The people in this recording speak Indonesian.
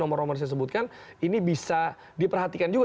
dan nama nama yang saya sebutkan ini bisa diperhatikan juga